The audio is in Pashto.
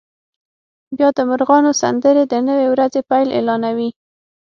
بیا د مرغانو سندرې د نوې ورځې پیل اعلانوي